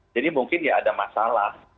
jadi mungkin ya ada masalah